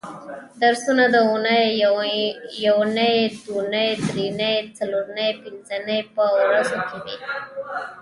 درسونه د اونۍ یونۍ دونۍ درېنۍ څلورنۍ پبنځنۍ په ورځو کې وي